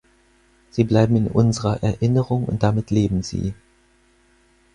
Sie bleiben in unserer Erinnerung und damit leben sie.